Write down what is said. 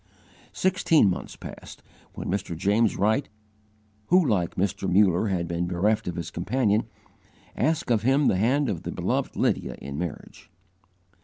Sixteen months passed, when Mr. James Wright, who like Mr. Muller had been bereft of his companion, asked of him the hand of the beloved Lydia in marriage.